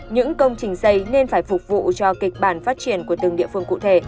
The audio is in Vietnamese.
những công trình xây nên phải phục vụ cho kịch bản phát triển của từng địa phương cụ thể